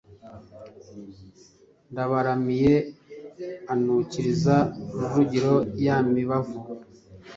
Ndabaramiye anukiriza Rujugira ya mibavu;